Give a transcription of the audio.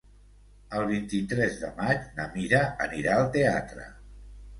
El vint-i-tres de maig na Mira anirà al teatre.